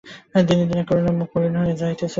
দিনে দিনে করুণার মুখ মলিন হইয়া আসিতেছে।